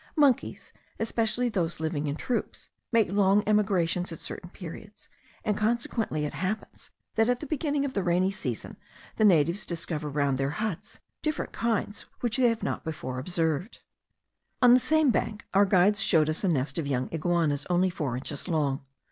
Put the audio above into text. Monkeys, especially those living in troops, make long emigrations at certain periods, and consequently it happens that at the beginning of the rainy seasons the natives discover round their huts different kinds which they have not before observed. On this same bank our guides showed us a nest of young iguanas only four inches long.